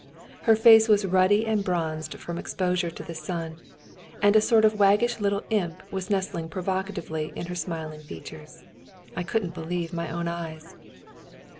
Her face was ruddy and bronzed from exposure to the sun, and a sort of waggish little imp was nestling provocatively in her smiling features. I couldn't believe my own eyes.